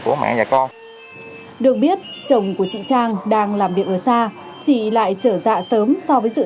của hai nhà con được biết chồng của chị trang đang làm việc ở xa chị lại trở dạ sớm so với sự